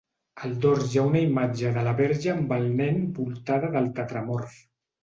Al dors hi ha una imatge de la Verge amb el Nen voltada del Tetramorf.